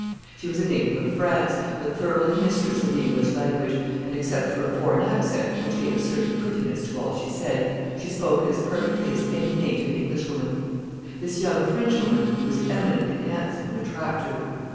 She was a native of France, but thoroughly mistress of the English language, and, except for a foreign accent, which gave a certain prettiness to all she said, she spoke it as perfectly as any native Englishwoman. This young Frenchwoman was eminently handsome and attractive.